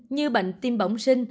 như bệnh tim bẩm sinh